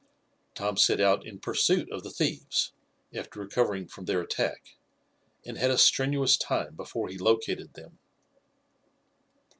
Tom set out in pursuit of the thieves, after recovering from their attack, and had a strenuous time before he located them.